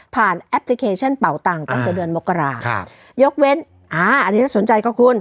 ผ่านแอปพลิเคชันเป่าตังตั้งแต่เดือนมกราคาครับยกเว้นอ่าอันนี้ถ้าสนใจขอบคุณ